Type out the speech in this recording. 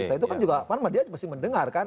setelah itu kan juga apaan dia pasti mendengarkan